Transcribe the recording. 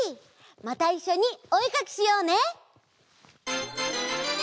またいっしょにおえかきしようね！